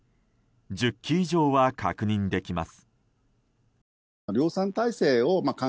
１０基以上は確認できます。